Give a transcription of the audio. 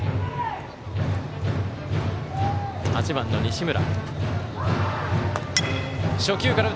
８番の西村。